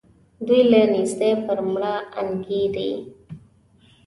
دوی له نېستي پر مړه انګرېږي وايي.